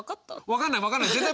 分かんない分かんない全然。